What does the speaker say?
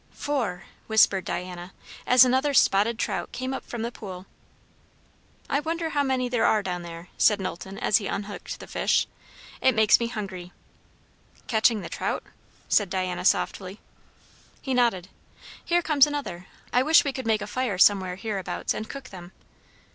"Four!" whispered Diana, as another spotted trout came up from the pool. "I wonder how many there are down there?" said Knowlton as he unhooked the fish. "It makes me hungry." "Catching the trout?" said Diana softly. He nodded. "Here comes another. I wish we could make a fire somewhere hereabouts and cook them."